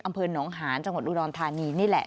อำเภอหนองหานจังหวัดอุดรธานีนี่แหละ